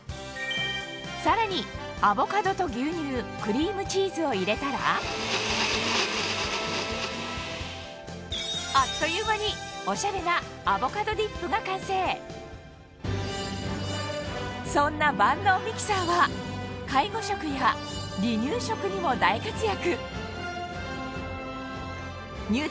さらにアボカドと牛乳クリームチーズを入れたらあっという間にが完成そんな万能ミキサーは介護食や離乳食にも大活躍